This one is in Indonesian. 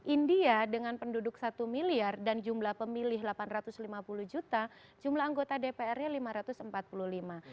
india dengan penduduk satu miliar dan jumlah pemilih delapan ratus lima puluh juta jumlah anggota dpr nya lima ratus empat puluh lima